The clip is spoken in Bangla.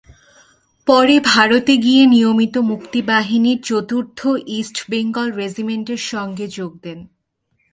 পরে ভারতে গিয়ে নিয়মিত মুক্তিবাহিনীর চতুর্থ ইস্ট বেঙ্গল রেজিমেন্টের সঙ্গে যোগ দেন।